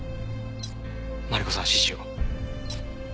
マリコさんは指示を。